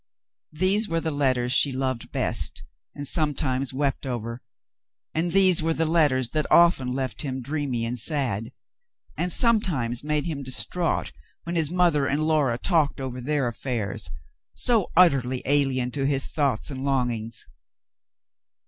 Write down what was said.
These were the letters she loved best and sometimes wept over, and these were the letters that often left him dreamy and sad, and sometimes made him distraught when his mother and Laura talked over their affairs, so utterly alien to his thoughts and long ings.